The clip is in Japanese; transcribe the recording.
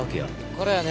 これやね。